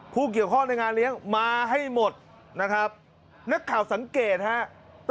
ผู้เกี่ยวข้องในงานเลี้ยงมาให้หมดนะครับนักข่าวสังเกตครับ